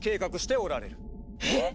えっ！